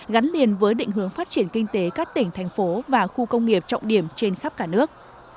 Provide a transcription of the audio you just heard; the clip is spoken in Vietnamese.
gắn liền với định hướng phát triển kinh tế các tỉnh thành phố và khu công nghiệp trọng điểm trên khắp cả nước